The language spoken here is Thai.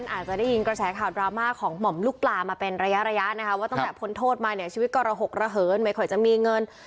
อาจจะได้ยินกระแสข่าวดราม่าของหม่อมลูกปลามาเป็นระยะระยะนะคะว่าตั้งแต่พ้นโทษมาเนี่ยชีวิตก็ระหกระเหินไม่ค่อยจะมีเงิน